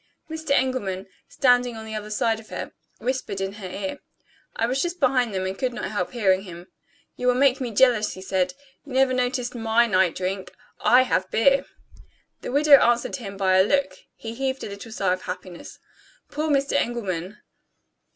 Mr. Engelman, standing on the other side of her, whispered in her ear. I was just behind them, and could not help hearing him. "You will make me jealous," he said; "you never noticed my night drink I have beer." The widow answered him by a look; he heaved a little sigh of happiness. Poor Mr. Engelman!